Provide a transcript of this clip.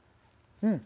うん。